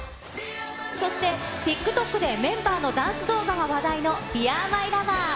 そして、ＴｉｋＴｏｋでメンバーのダンス動画が話題のＤＥＡＲＭＹＬＯＶＥＲ。